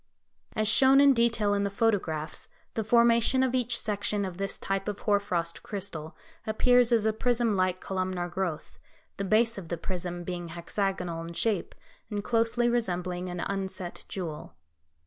As shown in detail in the photographs, the formation of each section of this type of hoar frost crystal appears as a prism like columnar growth, the base of the prism being hexagonal in shape, and closely resembling an unset jewel.